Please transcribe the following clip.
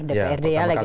dprd ya legislatif